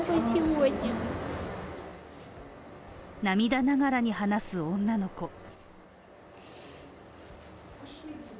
涙ながらに話す女の子。